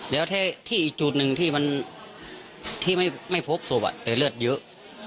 แล้วที่อีกจุดหนึ่งที่ไม่พบศพแต่เลือดเยอะ